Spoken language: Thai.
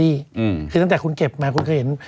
อืมคือตั้งแต่คุณเก็บมาคุณเคยเห็น